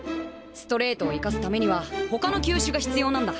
ストレートを生かすためには他の球種が必要なんだ。